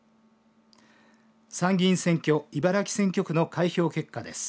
参議院選挙茨城選挙区の開票結果です。